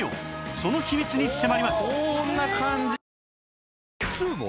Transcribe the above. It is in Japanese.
その秘密に迫ります